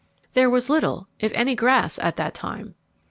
There was little, if any, grass at that time.